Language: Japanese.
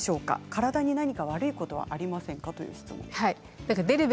体に何か悪いことはありませんか？という質問です。